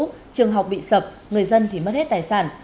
trường học bị sập người dân thì mất hết tài sản